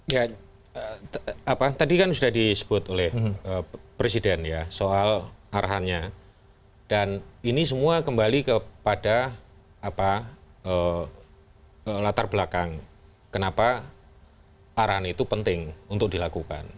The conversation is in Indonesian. ya apa tadi kan sudah disebut oleh presiden ya soal arahannya dan ini semua kembali kepada latar belakang kenapa arahan itu penting untuk dilakukan